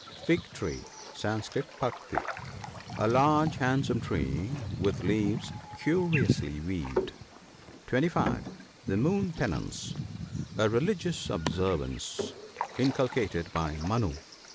Fig tree (Sans. " Parkti ").— A large handsome tree, with leaves curiously waved. (25.) The moon penance. — A religious observance, inculcated by Manu.